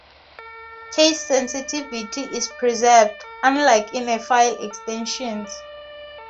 Case sensitivity is preserved, unlike in file extensions.